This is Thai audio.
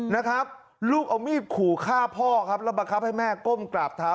นะครับลูกเอามีดขู่ฆ่าพ่อครับแล้วบังคับให้แม่ก้มกราบเท้า